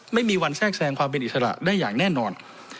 ไม่มีวันแทรกแทรงความเป็นอิสระได้อย่างแน่นอน